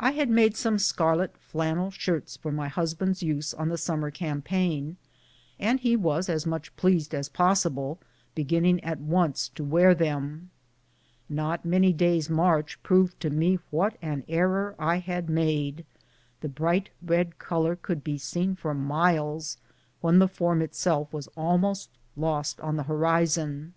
I had made some scarlet flannel shirts for my hus band's use on the summer campaign, and he was as much pleased as possible, beginning at once to wear them. Not many days' march proved to me what an error I had made. The bright red color could be seen for miles, when the form itself was almost lost on the horizon.